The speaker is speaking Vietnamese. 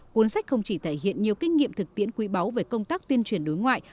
cuốn sách không chỉ thể hiện nhiều kinh nghiệm thực tiễn quý báu về công tác tuyên truyền đối ngoại